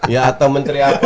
ya atau menteri apa